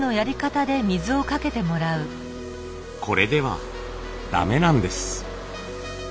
これでは駄目なんです。